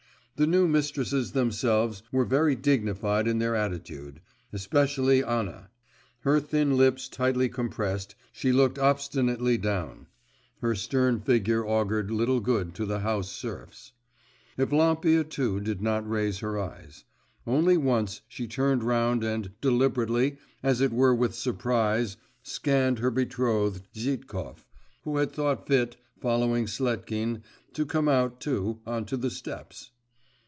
The new mistresses themselves were very dignified in their attitude, especially Anna. Her thin lips tightly compressed, she looked obstinately down … her stern figure augured little good to the house serfs. Evlampia, too, did not raise her eyes; only once she turned round and deliberately, as it were with surprise, scanned her betrothed, Zhitkov, who had thought fit, following Sletkin, to come out, too, on to the steps.